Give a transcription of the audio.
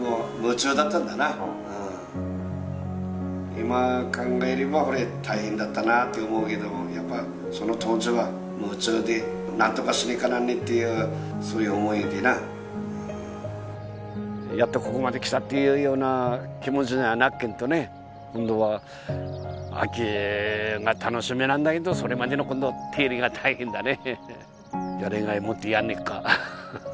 今考えればほれ大変だったなって思うけどもやっぱその当時は夢中で何とかしなきゃなんねえっていうそういう思いでなやっとここまで来たっていうような気持ちにはなっけんどね今度は秋が楽しみなんだけどそれまでの今度手入れが大変だね